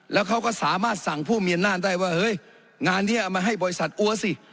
แล้วเขาก็สามารถสั่งผู้มีอำนาจได้ว่าเฮ้ยงานนี้เอามาให้บริษัทอัวสิ